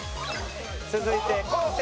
続いて昴生。